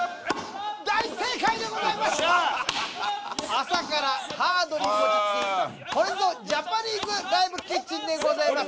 朝からハードに餅つきこれぞジャパニーズライブキッチンでございます